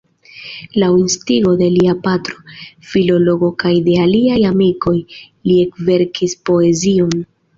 Laŭ instigo de lia patro, filologo, kaj de aliaj amikoj, li ekverkis poezion.